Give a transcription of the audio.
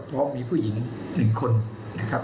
พร้อมไม่มีผู้หญิงหนึ่งคนนะครับ